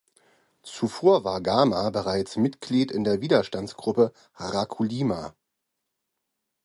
Zuvor war Gama bereits Mitglied in der Widerstandsgruppe "Raculima".